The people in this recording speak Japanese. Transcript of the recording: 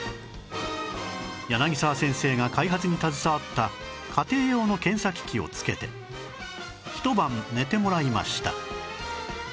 柳沢先生が開発に携わった家庭用の検査機器をつけてひと晩寝てもらいました